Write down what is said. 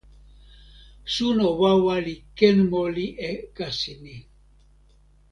suno wawa li ken moli e kasi ni.